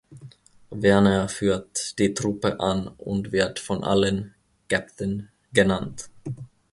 Werner führt die Truppe an und wird von allen „Käpt’n“ genannt.